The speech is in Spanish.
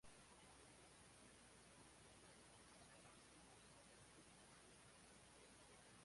Todas las vías se encuentran en granito de buena calidad.